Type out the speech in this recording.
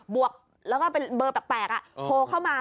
วกแล้วก็เป็นเบอร์แปลกโทรเข้ามา